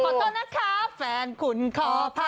พอโทษนะครับแฟนขุนคอพับ